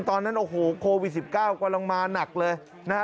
ตอนนั้นโอ้โหโควิด๑๙กำลังมาหนักเลยนะฮะ